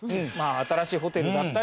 新しいホテルだったり。